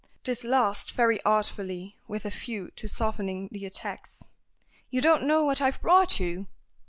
This last very artfully with a view to softening the attacks. "You don't know what I've brought you!"